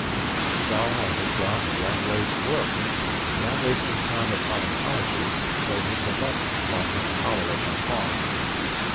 I saw I had gone the wrong way to work, and without wasting time upon apologies, showed him the button lying in the hollow of my palm.